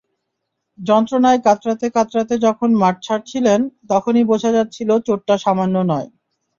যন্ত্রণায় কাতরাতে কাতরাতে যখন মাঠ ছাড়ছিলেন, তখনই বোঝা যাচ্ছিল চোটটা সামান্য নয়।